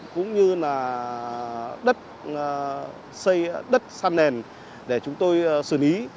cũng như là đất xây đất san nền để chúng tôi xử lý